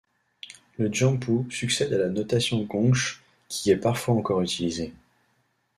Le Jianpu succède à la notation gongche, qui est parfois encore utilisée.